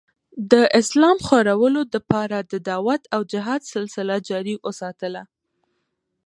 د اسلام خورلو دپاره د دعوت او جهاد سلسله جاري اوساتله